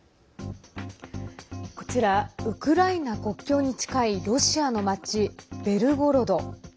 こちら、ウクライナ国境に近いロシアの町、ベルゴロド。